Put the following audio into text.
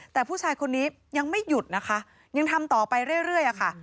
แต่ผู้ชายคนนี้ยังไม่หยุดนะคะยังทำต่อไปเรื่อยอะค่ะ